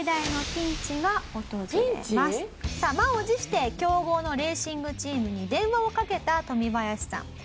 ピンチ？さあ満を持して強豪のレーシングチームに電話をかけたトミバヤシさん。